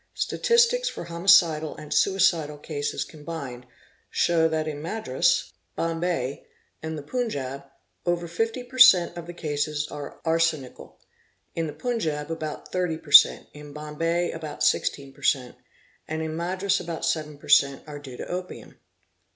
Sta _| tistics for homicidal and suicidal cases combined show that in Madras, POISONING 653 Bombay, and the Punjab, over 50 per cent., of the cases are arsenical; in the Punjab about 30 per cent., in Bombay about 16 per cent., and in Madras about 7 per cent. are due to opium.